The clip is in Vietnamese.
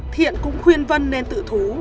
thiện cũng khuyên vân nên tự thú